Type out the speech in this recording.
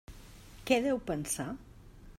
Què deu pensar?